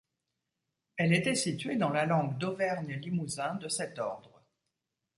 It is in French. Elle était située dans la Langue d'Auvergne-Limousin de cet Ordre.